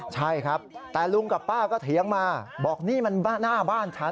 ใช่ครับแต่ลุงกับป้าก็เถียงมาบอกนี่มันหน้าบ้านฉัน